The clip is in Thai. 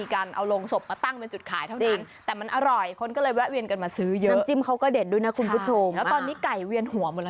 เขาบอกว่าอร่อยจริงไม่ได้